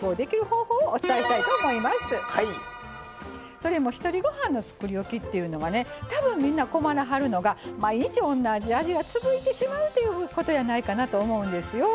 それもひとりごはんのつくりおきっていうのはね多分みんな困らはるのが毎日同じ味が続いてしまうということやないかなと思うんですよ。